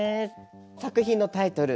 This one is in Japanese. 作品のタイトル